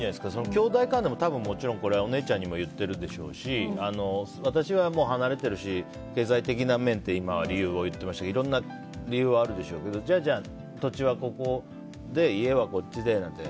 きょうだい間でも、もちろんお姉ちゃんにも言ってるだろうし私は離れてるし経済的な面と今言ってましたがいろんな理由はあるでしょうけど土地は、ここで家はこっちでなんて。